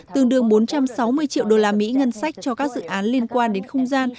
tương đương bốn trăm sáu mươi triệu đô la mỹ ngân sách cho các dự án liên quan đến không gian